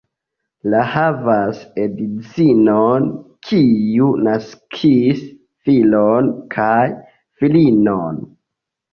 La havas edzinon, kiu naskis filon kaj filinon.